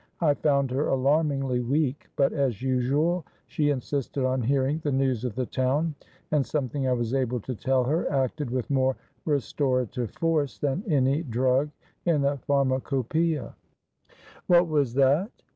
I found her alarmingly weak, but, as usual, she insisted on hearing the news of the town, and something I was able to tell her acted with more restorative force than any drug in the pharmacopaeia." "What was that?"